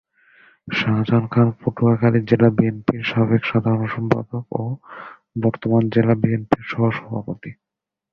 শাহজাহান খান পটুয়াখালী জেলা বিএনপি’র সাবেক সাধারণ সম্পাদক ও বর্তমান জেলা বিএনপির-সহ সভাপতি।